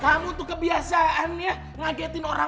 kamu tuh kebiasaannya ngagetin orang